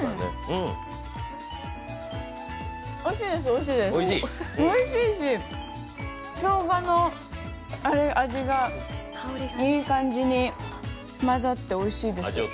おいしいし、しょうがの味がいい感じに混ざっておいしいです。